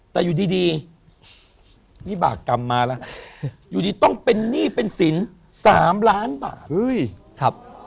แต่อยู่ดีนี่บาปกรรมมาแล้วอยู่ดีต้องเป็นหนี้เป็นสิน๓ล้านบาทเฮ้ยครับ